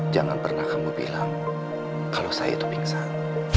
jangan pernah kamu bilang kalau saya itu pingsan